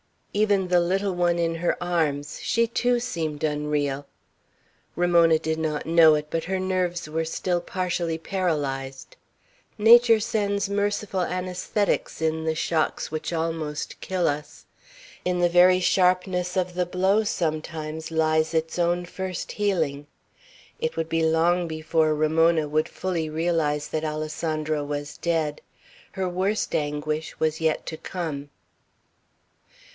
Even the little one in her arms, she too, seemed unreal! Ramona did not know it, but her nerves were still partially paralyzed. Nature sends merciful anaesthetics in the shocks which almost kill us. In the very sharpness of the blow sometimes lies its own first healing. It would be long before Ramona would fully realize that Alessandro was dead. Her worst anguish was yet to come.